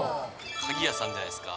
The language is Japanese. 鍵谷さんじゃないですか。